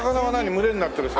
群れになってる魚。